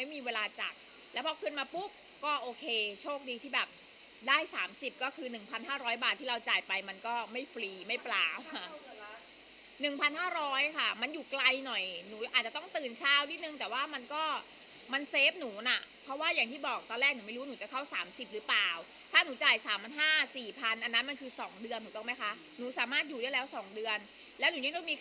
ไม่มีเวลาจักรแล้วพอขึ้นมาปุ๊บก็โอเคโชคดีที่แบบได้สามสิบก็คือหนึ่งพันห้าร้อยบาทที่เราจ่ายไปมันก็ไม่ฟรีไม่เปล่าหนึ่งพันห้าร้อยค่ะมันอยู่ไกลหน่อยหนูอาจจะต้องตื่นเช้านิดหนึ่งแต่ว่ามันก็มันเซฟหนูน่ะเพราะว่าอย่างที่บอกตอนแรกหนูไม่รู้หนูจะเข้าสามสิบหรือเปล่าถ้าหนูจ่ายสามพันห้